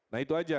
nah itu saja